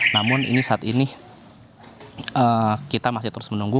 namun ini saat ini kita masih terus menunggu